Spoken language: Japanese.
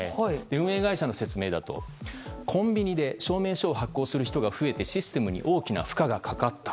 運営会社の説明だと、コンビニで証明書を発行する人が増えてシステムに大きな負荷がかかった。